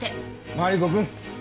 マリコ君。